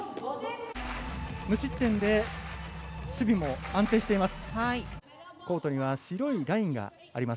無失点で守備も安定しています。